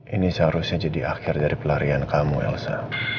ini seharusnya jadi akhir dari pelarian kamu elsa